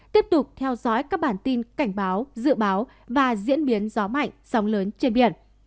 tiếp tục theo dõi các bản tin cảnh báo dự báo và diễn biến gió mạnh sóng lớn trên biển